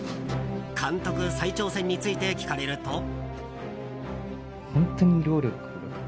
監督再挑戦について聞かれると。